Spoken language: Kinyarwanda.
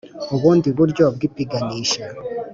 Ubundi buryo bw ipiganisha